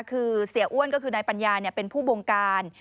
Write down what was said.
คือเสียอ้วนก็คือนายปัญญาเป็นผู้บงการ